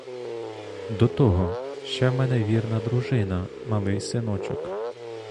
До того, ще в мене вірна дружина, малий синочок.